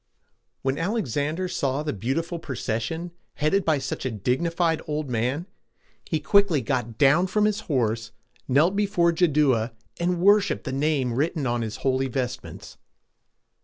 When Alexander saw the beautiful procession, headed by such a dignified old man, he quickly got down from his horse, knelt before Jaddua, and worshiped the name written on his holy vestments.